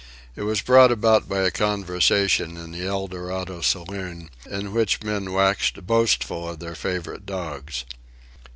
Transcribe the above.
It was brought about by a conversation in the Eldorado Saloon, in which men waxed boastful of their favorite dogs.